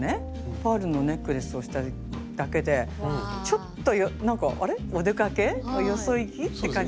パールのネックレスをしたりだけでちょっとなんかあれっお出かけ？よそ行き？って感じになりませんか？